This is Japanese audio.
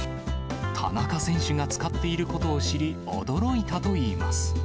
田中選手が使っていることを知り、驚いたといいます。